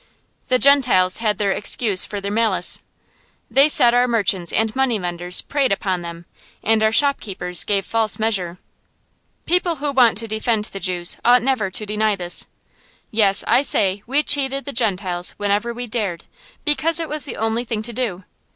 The Gentiles had their excuse for their malice. They said our merchants and money lenders preyed upon them, and our shopkeepers gave false measure. People who want to defend the Jews ought never to deny this. Yes, I say, we cheated the Gentiles whenever we dared, because it was the only thing to do.